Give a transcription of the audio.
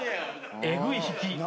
えぐい引き。